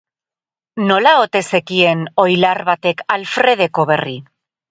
Nola ote zekien oilar batek Alfredeko berri?